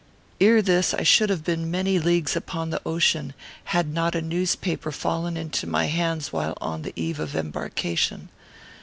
"Ere this, I should have been many leagues upon the ocean, had not a newspaper fallen into my hands while on the eve of embarkation.